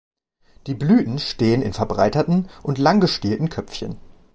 Die Blüten stehen in verbreiterten und lang gestielten Köpfchen.